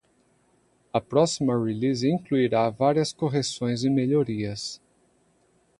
A próxima release incluirá várias correções e melhorias.